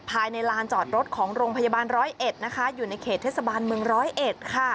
ภายในลานจอดรถของโรงพยาบาลร้อยเอ็ด